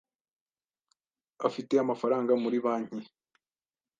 Afite amafaranga muri banki.